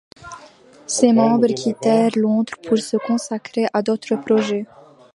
Ses membres quittèrent Londres pour se consacrer à d'autres projets.